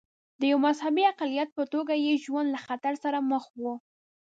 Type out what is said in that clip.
د یوه مذهبي اقلیت په توګه یې ژوند له خطر سره مخ و.